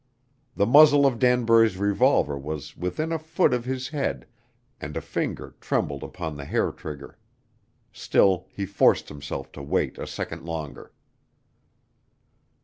The muzzle of Danbury's revolver was within a foot of his head and a finger trembled upon the hair trigger. Still he forced himself to wait a second longer.